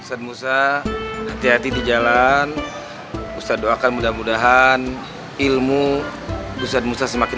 ustadz musa hati hati di jalan usaha doakan mudah mudahan ilmu besar musa semakin